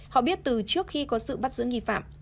họ biết từ trước khi có sự bắt giữ nghi phạm